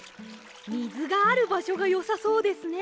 みずがあるばしょがよさそうですね。